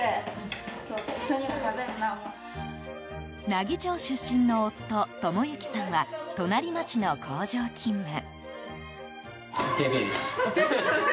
奈義町出身の夫・智之さんは隣町の工場勤務。